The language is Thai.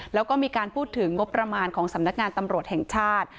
แล้วก็มีการพูดถึงงบประมาณของสำนักงานตำรวจแห่งชาติ